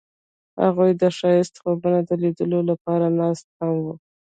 هغوی د ښایسته خوبونو د لیدلو لپاره ناست هم وو.